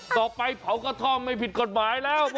เผาไปเผากระท่อมไม่ผิดกฎหมายแล้ว